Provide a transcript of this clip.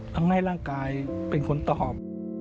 ทำให้ร่างกายเป็นคนตอบ